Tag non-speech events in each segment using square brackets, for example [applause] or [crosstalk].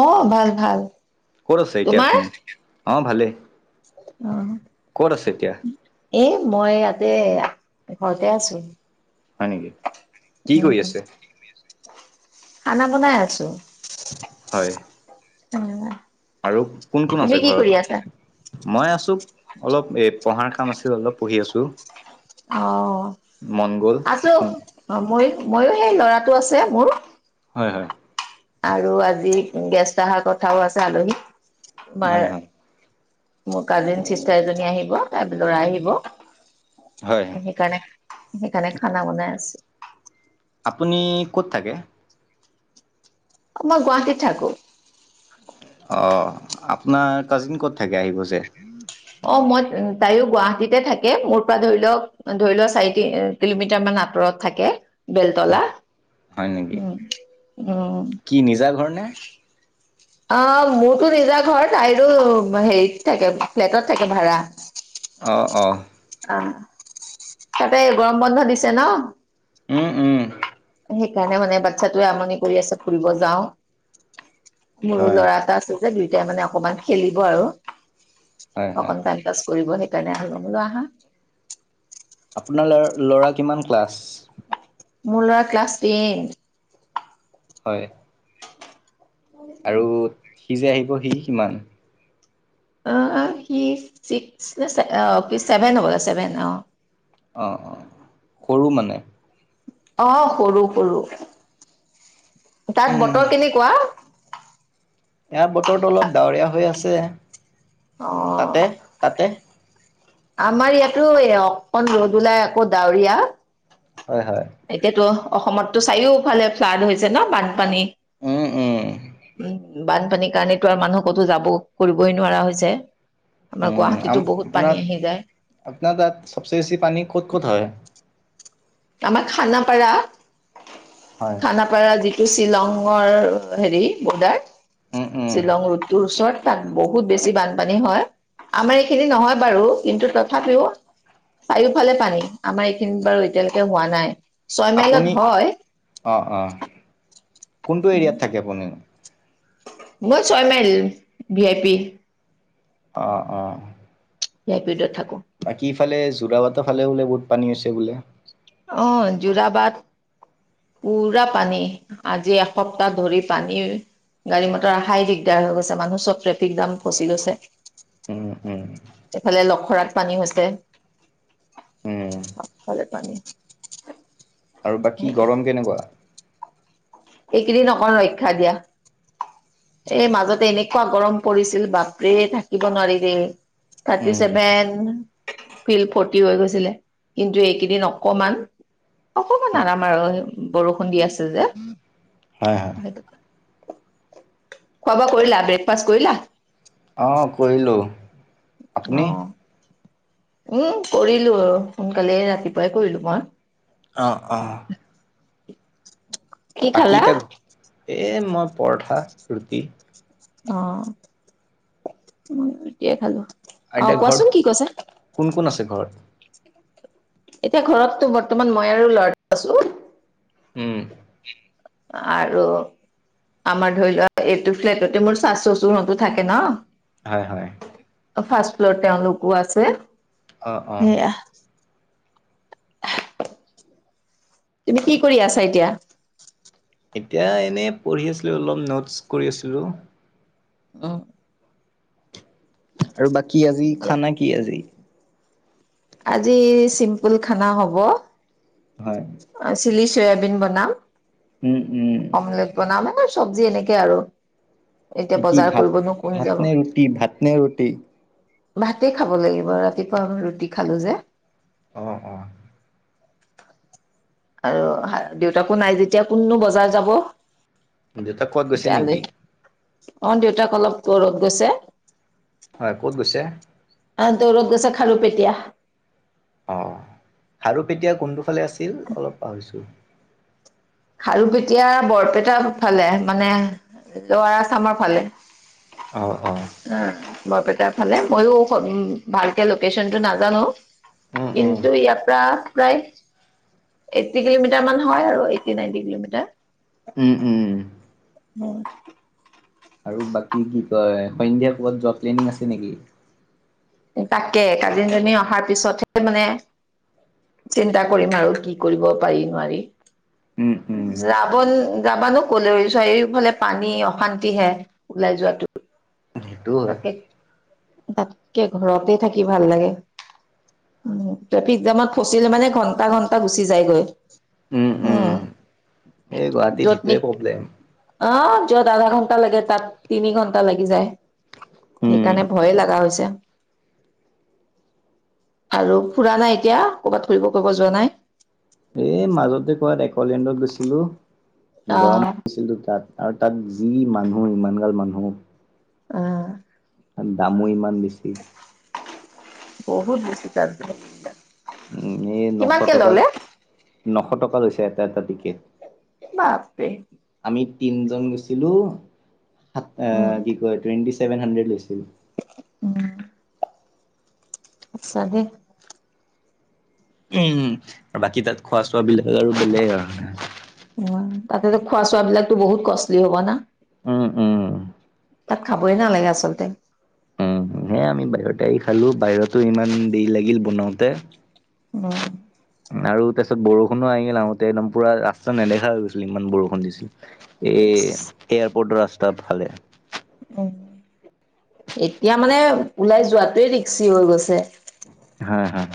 অ ভাল ভাল। ক'ত আছে এতিয়া আপুনি, অ ভালেই। অঁ! ক'ত আছে এতিয়া? [inaudible] এই মই ইয়াতে ঘৰতে আছো। [inaudible] হয় নেকি? কি কৰি উম, আছে? [inaudible] [inaudible] খানা বনাই আছোঁ। হয়। [inaudible] অঁ! [inaudible] আৰু কোন-কোন আছে ঘৰত? [unintelligible] মই আছোঁ। অলপ এ পঢ়াৰ কাম আছিল অলপ পঢ়ি আছোঁ। [inaudible] অঁ! মন গ'ল। আছোঁ। মই মইয়ো সেই ল'ৰাটো আছে মোৰ। [inaudible] হয়-হয়। [inaudible] আৰু আজি গেষ্ট অহাৰ কথাও আছে আলহীক তোমাৰ হয় [inaudible] হয়। মোৰ কাজিন চিষ্টাৰ এজনী আহিব, তাৰ ল'ৰা আহিব। [inaudible] হয়। সেইকাৰণে-সেইকাৰণে খানা বনাই আছো। [inaudible] আপুনি ক'ত থাকে? [inaudible] [inaudible] মই গুৱাহাটীত থাকোঁ। অঁ! আপোনাৰ কাজিন ক'ত থাকে আহিব যে? [inaudible] অ! মই [unintelligible] তাইয়ো গুৱাহাটীতে থাকে মোৰ পৰা ধৰি লওক ধৰি লও চাৰি [inaudible] কিলোমিটাৰ মান আঁতৰত থাকে বেলতলা। হয় নেকি? উম [inaudible] উম! কি নিজা ঘৰ নে? [inaudible] অঁ! মোৰতো নিজা ঘৰ। তাইৰো হেৰিত থাকে ফ্লেটত থাকে ভাড়া। [inaudible] অ-অ! [inaudible] অ! [inaudible] তাতে গৰম বন্ধ দিছে ন? উম-উম। [inaudible] সেইকাৰণে মানে বাচ্ছাটোৱে আমনি কৰি আছে ফুৰিব যাওঁ। মোৰো হয় ল'ৰা এটা আছ [inaudible] [unintelligible] যে দুয়টাই মানে অকমান খেলিব আৰু হয় হয়। অকন টাইম পাছ কৰিব সেইকাৰণে আহিলোঁ মই বোলো আহা। [inaudible] আপোনাৰ [inaudible] ল'ৰা কিমান ক্লাছ? মোৰ ল'ৰা ক্লাছ টেন। [inaudible] হয়। [inaudible] [inaudible] আৰু সি যে আহিব সি কিমান? [inaudible] অঁ! সি ছিক্স নে [inaudible] অ চেভেন হ'ব ছেভেন অঁ [inaudible] অঁ-অঁ! সৰু মানে? [inaudible] অঁ! সৰু-সৰু। তাত উম, বতৰ কেনেকুৱা? [inaudible] ইয়াৰ বতৰটো অলপ ডাৱৰীয়া হৈ আছে। [inaudible] অঁ! [unintelligible] তাতে-তাতে [inaudible] আমাৰ ইয়াতো এই অকন ৰ'দ ওলাই আকৌ ডাৱৰীয়া। [unintelligible] হয়-হয়। [inaudible] এতিয়াতো অসমতো চাৰিওফালে ফ্লাড হৈছে ন বানপানী? উম, উম, [unintelligible] [inaudible] উম! বানপানীৰ কাৰণেতো আৰু মানুহ কতো যাব‌ও কৰিবই নোৱাৰা হৈছে। [inaudible] আমাৰ উম! গুৱাহাটীতো বহুত পানী আহি যায়। আপোনাৰ-আপোনাৰ তাত চবচে বেছি পানী ক'ত-ক'ত হয়? [unintelligible] আমাৰ খানাপাৰা। হয়। খানা [inaudible] পাৰা যিটো শ্বিলংৰ হেৰি বৰ্ডাৰ উম, উম, শ্বিলং ৰোড [inaudible] তোৰ ওচৰত তাত বহুত বেছি বানপানী হয় আমাৰ এইখিনি নহয় বাৰু কিন্তু তথাপিও চাৰিওফালে পানী আমাৰ এইখিনিত বাৰু এতিয়ালৈকে হোৱা নাই ছয় মাইলত আপুনি হয় অ অ কোনটো এৰিয়াত থাকে আপুনি মই ছয় মাইল ভি আই পি অ অ ভি আই পি ৰডত থাকো বাকী এফালে যোৰা বাটৰ ফালে বোলে বহুত পানী হৈছে বোলে অ যোৰাবাট পুৰা পানী আজি এসপ্তাহ ধৰি পানী গাড়ী মটৰ অহাই দিগদাৰ হৈ গৈছে মানুহ চব ট্ৰেফিক জাম ফচি গৈছে উম হুম এইফালে লখৰাত পানী হৈছে উম, চব ফালে পানী আৰু বাকী গৰম কেনেকুৱা এইকেইদিন অকন ৰক্ষা দিয়া এই মাজতে এনেকুৱা গৰম পৰিছিল বাপৰে থাকিব নোৱাৰি দে থাৰ্টি উম, ছেভেন ফিল ফৰটি হৈ গৈছিলে কিন্তু এইকেইদিন অকমান অকমান আৰাম আৰু বৰষুণ দি আছে যে [unintelligible] খোৱা বোৱা কৰিলা ব্ৰেকফাষ্ট কৰিলা অ কৰিলো অ এই কৰিলো আৰু সোনকালে ৰাতিপুৱাই কৰিলো মই অ অ [inaudible] বাকী এতিয়া এ মই পৰঠা ৰুটি অ মই এতিয়াই খালো অ এতিয়া কোৱাচোন ঘৰত কি কৈছা কোন কোন আছে ঘৰত [inaudible] এতিয়া ঘৰতটো বৰ্তমান মই আৰু লৰাটো আছো উম উম আৰু আমাৰ ধৰি লোৱা এইটো ফ্লেটতে মোৰ চা চচুৰ হঁতো থাকে ন হয় হয় ফাৰ্ষ্ট ফ্লৰ তেওঁলোকো আছে অ অ সেয়া তুমি কি কৰি আছা এতিয়া এতিয়া এনেই পঢ়ি আছিলো অলপ নোটছ কৰি আছিলো অ আৰু বাকী আজি দিয়া খানা কি আজি আজি চিম্পুল খানা হ'ব হয় অ চিলি চয়াবিন বনাম উম উম অমলেট বনাম এই চব্জি এনেকে আৰু এতিয়া কি বজাৰ ভাত কৰিবনো কোন ভাত যাব। নে ৰুটি ভাত নে ৰুটি? ভাতে খাব লাগিব, ৰাতিপুৱা মই ৰুটি খালোঁ যে। অ', অ'। আৰু দেউতাকো নাই যেতিয়া কোননো বজাৰ যাব। [unintelligible] দেউতা ক'ত গৈছে নেকি? অ' দেউতাক অলপ ক'ৰত গৈছে। হয়, ক'ত গৈছে? আ, দৌৰত গৈছে খাৰুপেটিয়া। অ' খাৰুপেটিয়া কোনটো ফালে আছিল অলপ পাহৰিছোঁ। খাৰুপেটীয়া বৰপেটাৰ ফালে, মানে লৱাৰ আচামৰ ফালে। অ অ [inaudible] বৰপেটাৰ ফালে, ময়ো উ, ভালকে লোকেচনটো নাজানো। উম উম। কিন্তু ইয়াৰপৰা প্ৰায় এইটটি কিলোমিটাৰ মান হয় আৰু এই টি নাইনটি কিলোমিটাৰ। উম, উম। উম। আৰু বাকী কি কয়, সন্ধিয়া ক'ৰবাত জব প্লেনিং আছে নেকি? তাকে কাজিনজনী অহাৰ পিছতহে মানে চিন্তা কৰিম আৰু, কি কৰিব পাৰি নোৱাৰি। উম, উম। যাব যাবানো কলে, চাৰিওফালে পানী, অশান্তিহে ওলাই যোৱাটো। সেইটো হয় তাকে, তাতকে ঘৰতে থাকি ভাল লাগে। উ, ট্ৰেফিক জামত ফচিলে মানে ঘণ্টা ঘণ্টা গুচি যায়গৈ। উম, এই গুৱাহাটীত য'ত নি সেইটোৱে প্ৰব্লেম অ' য'ত আধা ঘণ্টা লাগে তাত তিনি ঘন্টা লাগি যায়। উম সেইকাৰণে ভয়ে লাগা হৈছে। আৰু ফুৰা নাই এতিয়া, কৰ'ৰবাত ফুৰিব কৰিব যোৱা নাই? এই মাজতে ক'ৰবাত একলেণ্ডত গৈছিলোঁ, গৰম আহ পছিলো তাত। আৰু তাত যি মানুহ, ইমানগাল মানুহ। আ। দামো ইমান বেছি। বহুত বেছি তাত [unintelligible] উম, এই নশ কিমানকে টকা, ল'লে নশ টকা লৈছে এটা এটা টিকেট। বাপৰে। আমি তিনজন গৈছিলোঁ, সাত এ, উম কি কয় টুৱেণ্টি ছেভেন হাড্ৰেড লৈছিল। উম। চাগে। উম, বাকী তাত খোৱা চোৱা [unintelligible] আৰু বেলেগ আৰু। অ' তাতেতো খোৱা চোৱাবিলাকো বহুত কষ্টলি হ'ব না? উম, উম। তাত খাবই নালাগে আচলতে। হে আমি বাহিৰতে আহি খালোঁ, বাহিৰতো ইমান দেৰি লাগিল বনাওঁতে। অ'। [inaudible] আৰু তাৰপিছত বৰষুণো আহিল, আহোঁতে একদম পুৰা ৰাস্তা নেদেখা হৈ গৈছিল, ইমান বৰষুণ দিছিল। এই এয়াৰপোৰ্টৰ ৰাস্তাৰ ফালে। এতিয়া মানে ওলাই যোৱাটোৱে ৰিক্সি হৈ গৈছে। হয় হয়।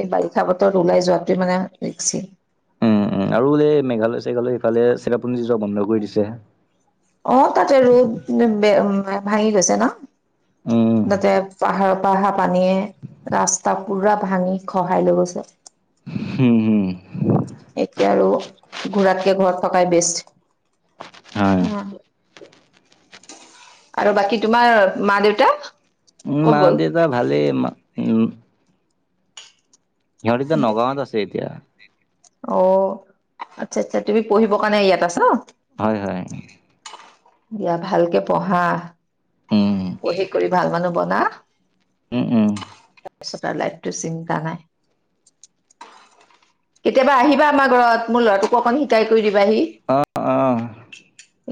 এই বাৰিষা বতৰত ওলাই যোৱাতোৱে মানে ৰিক্সি। উম উম আৰু যে এই মেঘালয় চেঘালয় সিফালে চেৰাপঞ্জী যোৱা বন্ধ কৰি দিছে। অঁ' তাতে ৰ'দ ভাঙি গৈছে উম ন' তাতে- পাহাৰৰ পৰা অহা পানীয়ে ৰাস্তা পুৰা ভাঙি খহাই লৈ গৈছে। হম হুম। এতিয়া আৰু ঘূৰাতকে ঘৰত থকাই বেষ্ট। হয় আৰু বাকী তোমাৰ মা-দেউতা? মা-দেউতা ভালেই। সিহঁতিতো নগাঁৱত আছে এতিয়া। অঁ' আচ্ছা-আচ্ছা-আচ্ছা' তুমি পঢ়িবৰ কাৰণে ইয়াত আছা? হয় হয়। দিয়া ভালকে পঢ়া। উমঁ। পঢ়ি কৰি ভাল মানুহ বনা। উম উম। তাৰপিছত আৰু লাইফটো চিন্তা নাই। কেতিয়াবা আহিবা আমাৰ ঘৰত, মোৰ লৰাটোকো অকন শিকাই কৰি দিবাহি। অঁ অঁ।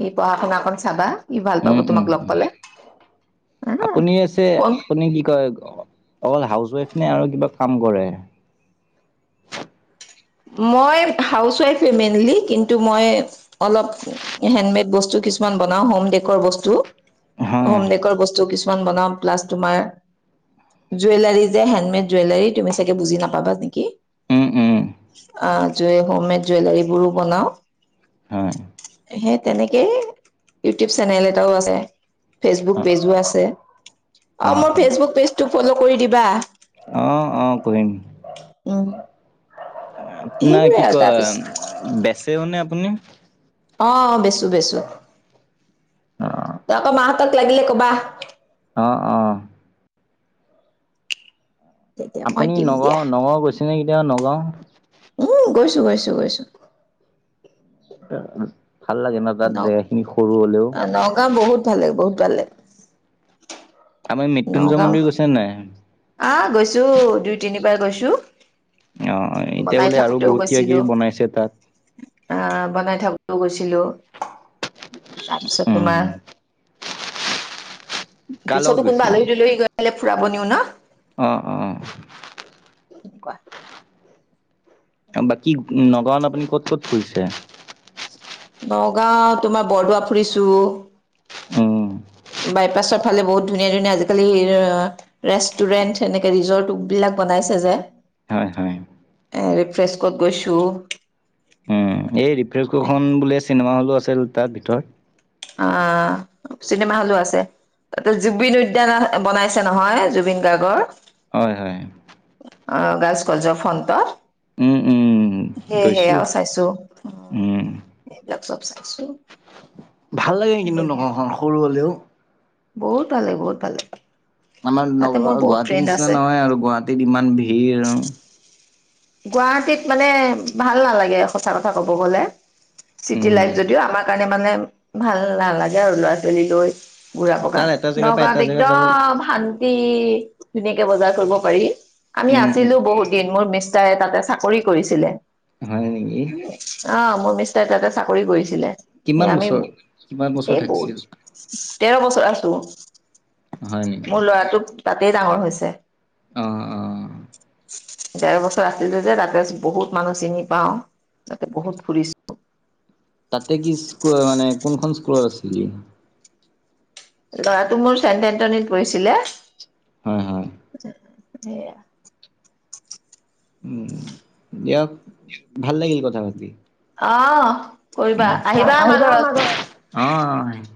ই পঢ়া শুনা কন চাবা, ই ভাল পাব উম তোমাক উম লগ উম। পালে। হা আপুনি আছে, ফোন আপুনি কি কয় অকল হাউচ ৱাইফ নে আৰু কিবা কাম কৰে? মই হাউচ ৱাইফে মেইনলি কিন্তু মই- অলপ হেণ্ডমেড বস্তু কিছুমান বনাও, হোম ডেকৰ বস্তু। হয় হোম ডেকৰ বস্তু কিছুমান বনাও, প্লাছ তোমাৰ- জুৱেলাৰী যে হেণ্ডমেড জুৱেলাৰী তুমি চাগে বুজি নাপাবা নেকি। উম উম। অঁ, হোম মেড জুৱেলাৰী বোৰো বনাও। হয় সেই তেনেকেই ইউটিউব চেনেল এটাও আছে। ফেচবুক পেজো আছে। আৰু অ', মোৰ অ', ফেচবুক পেজটো ফল্লো কৰি দিবা। অঁ কৰিম। উম। আপোনাৰ সেইবোৰে কি আৰু কয় তাৰপিছত বেচেও নে আপুনি? অঁ' বেচো বেচো অ', আকৌ মাহঁতক লাগিলে কবা। অঁ অঁ। তেতিয়া মই আপুনি দিম দিয়া নগাঁও, নগাঁও গৈছেনে কেতিয়াবা নগাঁও? উম গৈছো গৈছো গৈছোঁ। ভাল লাগে ন' তাত জেগা খিনি সৰু হ'লেও। নগাঁও বহুত- ভাল লাগে বহুত ভাল লাগে। আপুনি মৃত্যুঞ্য় নগাঁও মন্দিৰ গৈছেনে নাই? আহ' গৈছো দুই তিনিবাৰ গৈছোঁ। অঁ' এতিয়া বোলে আৰু বহুত কিবা গৈছিলো কিবি বনাইছে তাত। আহ' বনাই থাকোতেও গৈছিলো। তাৰপিছত তোমাৰ- কাৰ লগত পিছতো কোনবা গৈছিল? আলহী দুলহী গ'লে ফুৰাব নিও ন। অ', অ', অ'। তেনেকুৱা বাকী নগাওঁত আপুনি ক'ত ক'ত ফুৰিছে? নগাঁও তোমাৰ বৰদোৱা ফুৰিছোঁ। অ'। বাইপাছৰ ফালে বহুত ধুনীয়া, ধুনীয়া আজিকালি [unintelligible] ৰেষ্টুৰেন্ট এনেকে ৰিজৰ্ট বিলাক বনাইছে যে। হয়, হয়, ৰিফ্ৰেছ ক'ত গৈছোঁ। উম, এই ৰিফ্ৰনকো খন বুলিয়ে চিনেমা হ'লো আছিল তাৰ ভিতৰত অ'। চিনেমা হলো আছে তাতে জুবিন উদ্যান বনাইছে নহয় জুবিন গাৰ্গৰ। হয়, হয়। অ', গাছ কজ ফন্তৰ উম, উম, সেয় গৈছোঁ। সেয়াও চাইছোঁ উম, এইবিলাক চব চাইছোঁ। ভাল লাগে কিন্তু নগাওঁ খন সৰু হ'লেও বহুত ভালে লাগে বহুত ভাল লাগে। আমাৰ ন তাতে মোৰ বহুত গুৱাহাটীৰ ফ্ৰেণ্ড নিচিনা আছে। নহয় আৰু গুৱাহাটীত ইমান ভিৰ আৰু। গুৱাহাটীত মানে ভাল নালাগে সঁচা কথা ক'ব গ'লে। চিটি উম, লাইফ যদিও আমাৰ কাৰণে মানে ভাল নালাগে আৰু ল'ৰা ছোৱালী লৈ বুঢ়া বকা তাৰ এটা জেগাৰ পৰা এটা নগাঁৱত জেগাত যাব একদম শান্তি ধুনীয়াকে বজাৰ কৰিব পাৰি আমি উম, উম, আছিলো বহুত দিন মোৰ ম তাই তাতে চাকৰি কৰিছিলে। হয় নেকি। অ', মোৰ মিষ্টাৰ তাতে চাকৰি কৰিছিলে এই কিমান আমি বছৰ কিমান বছৰ এই থাকিছিল? বহুত তেৰ বছৰ আছোঁ। হয় নেকি। মোৰ ল'ৰাটো তাতেই ডাঙৰ হৈছে। অ', অ'। ডেৰ বছৰ আছিলে যে তাতে বহুত মানুহ চিনি পাওঁ তাতে বহুত ফুৰিছোঁ। তাতে কি স্ মানে কোনখন স্কুলৰ আছিলি। ল'ৰাতো মোৰ চেণ্ট এন্টনিত পৰিঢ়ছিলে। হয়, হয়। [unintelligible] সেয়া। দিয়ক ভাল লাগিল কথা পাতি। অ', কৰিবা আহিবা আমাৰ ঘৰত। অ', অ', আহিম।